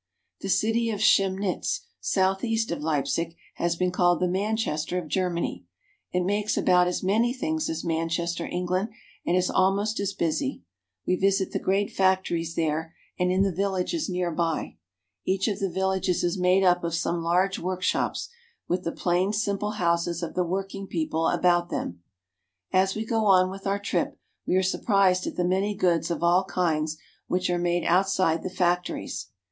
The city of Chemnitz, southeast of Leipsig, has been called the Manchester of Germany. It makes about as RURAL AND MANUFACTURING GERMANY. 229 many things as Manchester, England, and is almost as busy. We visit the great factories there and in the vil lages near by. Each of the villages is made up of some large workshops, with the plain simple houses of the working people about them. As we go on with our trip, we are surprised at the many goods of all kinds which are made outside the factories.